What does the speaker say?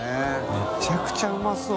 めちゃくちゃうまそう。